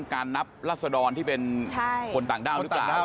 การนับรัศดรที่เป็นคนต่างด้าว